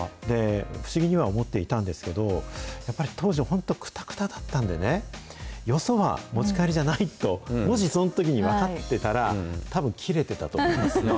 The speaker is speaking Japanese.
不思議には思っていたんですけど、やっぱり当時、本当、くたくただったんでね、よそは持ち帰りじゃないと、もしそのときに分かってたら、たぶん、切れてたと思うんですね。